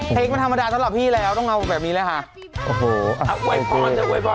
เป็นสิ่งที่พี่ชอบทุกอย่างเลยค่ะ